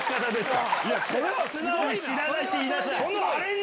素直に「知らない」って言いなさい！